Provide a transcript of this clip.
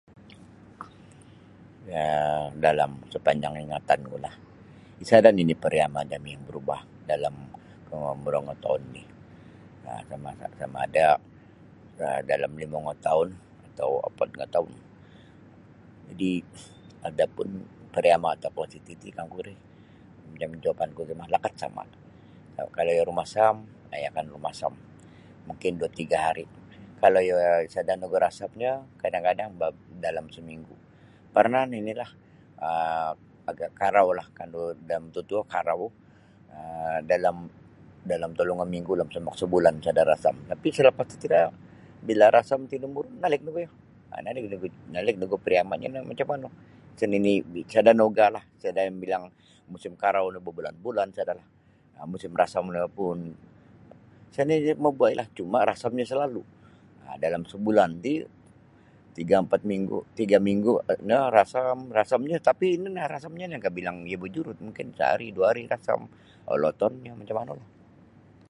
Yaa dalam sapanjang ingatankulah isada nini pariyama jami berubah dalam komburo ngotoun ni um sam samada dalam limongo taun atau opodngo taun jadi adapun pariyama tokou tatiti kangku ri jawapanku mimang lakat sama kalau iyo rumasam um iyo akan rumasam mungkin dua tiga hari kalau iyo sada nugu rasamnyo kadang-kadang dalam seminggu parnah ninilah um agak karau la kalu mototuo karau um dalam dalam tolungo minggu la sabulan sada rasam tapi salapas tatiti no bila rasam tinumbut balik nalik nugu iyo balik nugu pariyamanyo cam manu sa nini sada no ugahlah sada yang bilang musim karau no bebulan-bulan sada oku ti parasan rasamnyo sada nini mabuwailah cuma rasamnyo salalu um dalam sabulan ti tiga ampat minggu tiga minggu ada rasam rasamnya tapi ino no rasamnya lain ka bilang sehari miki bijurut dua hari rasam olodnyo macam manulah